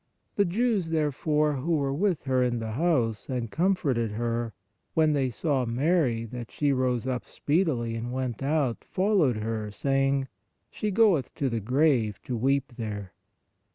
The Jews therefore, who were with her in the house, and comforted her, when they saw Mary that she rose up speedily and went out, followed her, saying : She goeth to the grave to weep there.